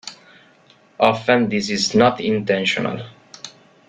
Often, this is not intentional.